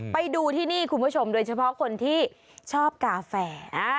ไปดูที่นี่คุณผู้ชมโดยเฉพาะคนที่ชอบกาแฟ